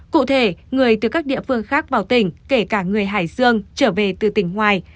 cụ thể người từ các địa phương khác vào tỉnh kể cả người hải dương trở về từ tỉnh ngoài